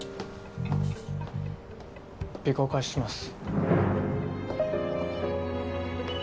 尾行開始します。